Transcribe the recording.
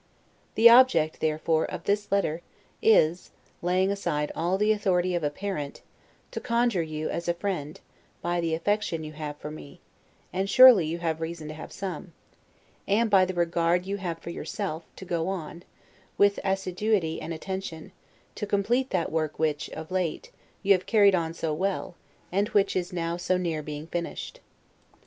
The object, therefore, of this letter is (laying aside all the authority of a parent) to conjure you as a friend, by the affection you have for me (and surely you have reason to have some), and by the regard you have for yourself, to go on, with assiduity and attention, to complete that work which, of late, you have carried on so well, and which is now so near being finished.